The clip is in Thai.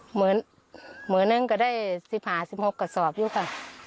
เหมือนมื้อนึงก็ได้สิบหาสิบหกกระสอบอยู่ค่ะ